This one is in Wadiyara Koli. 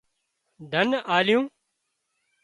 ڌنَ آليون